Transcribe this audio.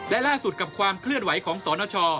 และล่าสุดกับความเคลื่อนไหวของสนช